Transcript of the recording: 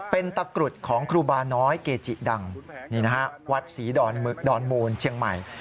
เป็นตะกรุดของครูบาน้อยเกจิดังนี่นะฮะวัดศรีดอนมูลเชียงใหม่